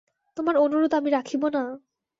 তোমার অনুরোধ আমি রাখিব না?